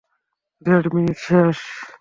দেড় মিনিট শেষ।